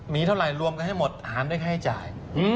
มีเท่าไหร่รวมกันให้หมดอาหารด้วยค่าจ่าย